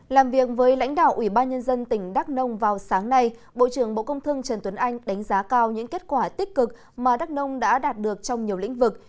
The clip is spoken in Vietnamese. làm việc với lãnh đạo ủy ban nhân dân tỉnh đắk nông vào sáng nay bộ trưởng bộ công thương trần tuấn anh đánh giá cao những kết quả tích cực mà đắk nông đã đạt được trong nhiều lĩnh vực